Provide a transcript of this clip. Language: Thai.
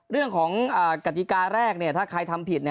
เรื่องของกติกาแรกถ้าใครทำผิด